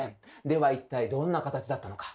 では一体どんな形だったのか。